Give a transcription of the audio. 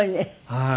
はい。